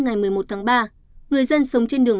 ngày một mươi một tháng ba người dân sống trên đường